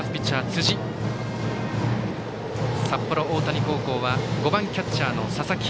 そして打席、札幌大谷高校は５番キャッチャー、佐々木。